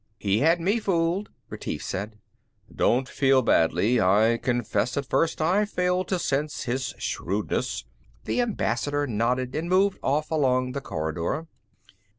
"He had me fooled," Retief said. "Don't feel badly; I confess at first I failed to sense his shrewdness." The Ambassador nodded and moved off along the corridor.